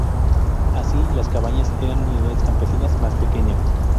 Así, las cabañas eran unidades campesinas más pequeñas.